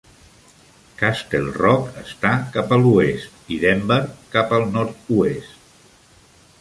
Castle Rock està cap a l'oest i Denver cap al nord-oest.